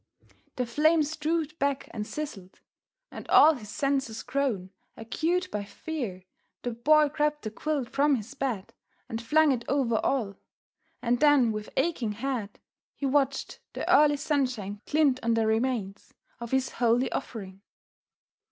The flames drooped back and sizzled, and all his senses grown Acute by fear, the Boy grabbed the quilt from his bed And flung it over all, and then with aching head He watched the early sunshine glint on the remains Of his holy offering.